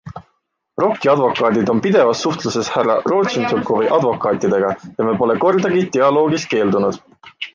ROKi advokaadid on pidevas suhtluses härra Rodtšenkovi advokaatidega ja me pole kordagi dialoogist keeldunud.